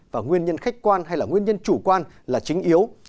và nguyên nhân khách quan hay là nguyên nhân chủ quan là chính yếu